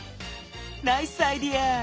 ナイスアイデア！